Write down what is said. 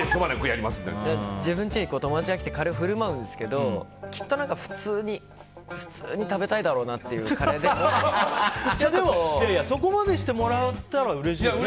自分のうちに友達が来てカレーを振る舞うんですけどきっと普通に食べたいだろうなっていうでも、そこまでしてもらえたらうれしいよね。